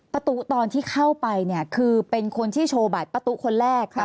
ตู้ตอนที่เข้าไปเนี่ยคือเป็นคนที่โชว์บัตรป้าตู้คนแรก